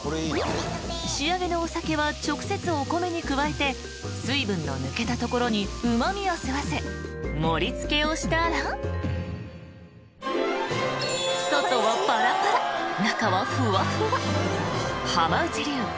［仕上げのお酒は直接お米に加えて水分の抜けたところにうま味を吸わせ盛り付けをしたら外はパラパラ中はふわふわ］